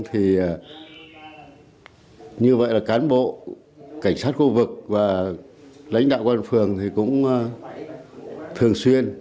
thì như vậy là cán bộ cảnh sát khu vực và lãnh đạo quân phường thì cũng thường xuyên